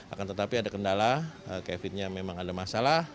akan tetapi ada kendala kevinnya memang ada masalah